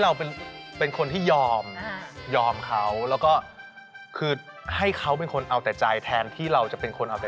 เผื่อคนผู้ชมทางบ้านอยู่อยากให้คุณผู้ชายตามใจเราบ้าง